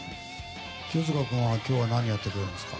清塚君は今日何をやってくれるんですか？